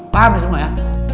paham semua ya